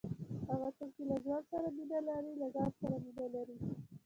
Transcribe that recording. هغه څوک، چي له ژوند سره مینه لري، له ځان سره مینه لري.